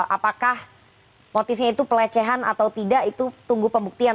apakah motifnya itu pelecehan atau tidak itu tunggu pembuktian